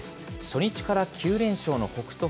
初日から９連勝の北勝